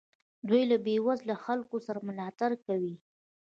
دوی له بې وزلو خلکو ملاتړ کوي.